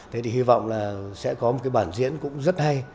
thế thì hy vọng là sẽ có một cái bản diễn cũng rất hay